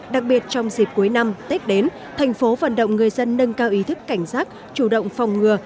đặc biệt trong dịp cuối năm tết đến thành phố vận động người dân nâng cao ý thức cảnh giác chủ động phòng ngừa